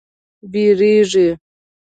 بیږیږې